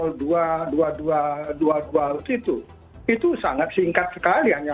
itu sangat singkat sekali hanya hanya beberapa halaman itu tidak ada petunjuk di sana tidak ada ini cuma membuat bingung